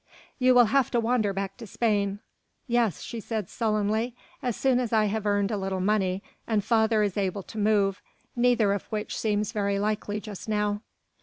"You will have to wander back to Spain." "Yes," she said sullenly, "as soon as I have earned a little money and father is able to move, neither of which seems very likely just now."